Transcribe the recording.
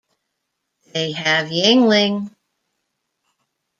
They have Yuengling.